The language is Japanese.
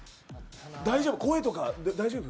大丈夫、声とか大丈夫。